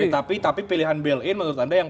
tapi pilihan bil in menurut anda yang